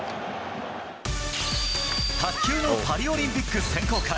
卓球のパリオリンピック選考会。